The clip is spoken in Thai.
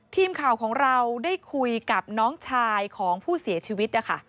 ทีมข่าวของเราได้คุยกับน้องชายของผู้เสียชีวิตนะคะ